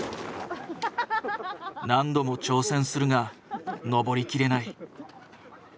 何度も挑戦するが登りきれない。